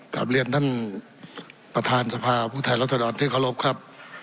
กลับเรียนท่านประธานสภาผู้แทนรัศดรที่เคารพครับ